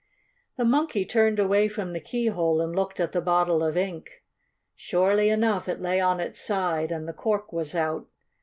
The Monkey turned away from the keyhole and looked at the bottle of ink. Surely enough, it lay on its side, and the cork was out.